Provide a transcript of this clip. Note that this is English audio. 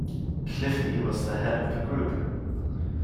Cliffy was the head of the group.